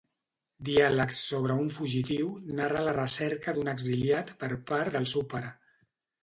Diàlegs sobre un fugitiu narra la recerca d'un exiliat per part del seu pare.